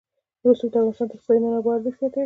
رسوب د افغانستان د اقتصادي منابعو ارزښت زیاتوي.